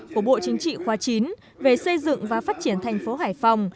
của bộ chính trị khoa chín về xây dựng và phát triển thành phố hải phòng